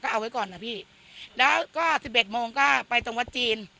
เอาไว้ก่อนนะพี่แล้วก็สิบเอ็ดโมงก็ไปตรงวัดจีน